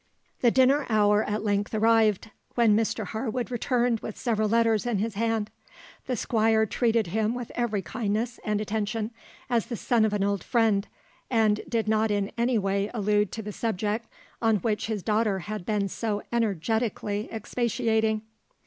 The dinner hour at length arrived, when Mr Harwood returned with several letters in his hand. The Squire treated him with every kindness and attention, as the son of an old friend, and did not in any way allude to the subject on which his daughter had been so energetically expatiating.